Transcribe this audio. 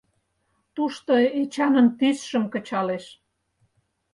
Тушто Эчанын тӱсшым кычалеш.